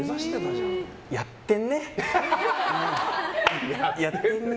やってんね。